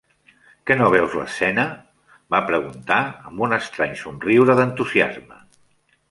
"Que no veus l'escena?", va preguntar amb un estrany somriure d'entusiasme.